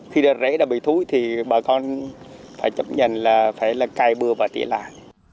khi rễ đã bị thúi thì bà con phải chấp nhận là phải là cài bừa và tỉa lạc